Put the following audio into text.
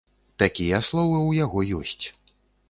Такія словы ў яго ёсць.